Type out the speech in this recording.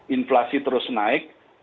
inflasi terus naik